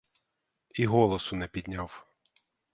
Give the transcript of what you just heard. І голосу не підняв.